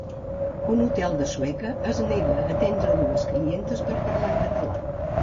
Un hotel de Sueca és nega a atendre dues clientes per parlar en català